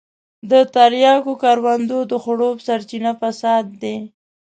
د تریاکو کروندو د خړوب سرچينه فساد دی.